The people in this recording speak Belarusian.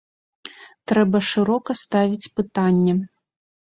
Трэба шырока ставіць пытанне.